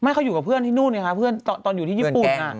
เขาอยู่กับเพื่อนที่นู่นไงคะเพื่อนตอนอยู่ที่ญี่ปุ่น